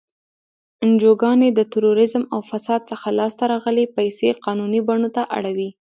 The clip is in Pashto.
انجوګانې د تروریزم او فساد څخه لاس ته راغلی پیسې قانوني بڼو ته اړوي.